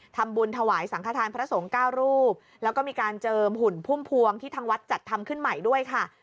ทำบุญถวายสังขทานพระสงฆ์เก้ารูปแล้วก็มีการเจิมหุ่นพุ่มพวงที่ทางวัดจัดทำขึ้นใหม่ด้วยค่ะ